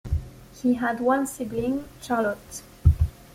He had one sibling, Charlotte.